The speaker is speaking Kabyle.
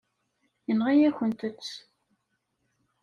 Yenɣa-yakent-t.